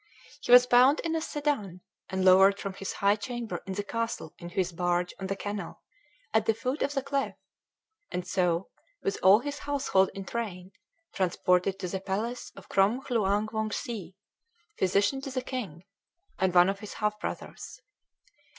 He was bound in a sedan, and lowered from his high chamber in the castle into his barge on the canal at the foot of the cliff; and so, with all his household in train, transported to the palace of Krom Hluang Wongse, physician to the king, and one of his half brothers.